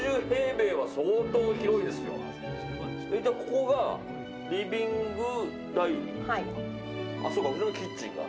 ここがリビングダイニング？